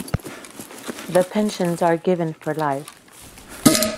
The pensions are given for life.